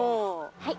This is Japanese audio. はい。